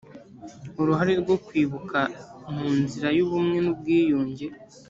uruhare rwo kwibuka mu nzira y ubumwe n ubwiyunge